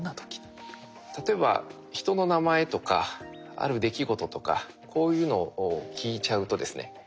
例えば人の名前とかある出来事とかこういうのを聞いちゃうとですね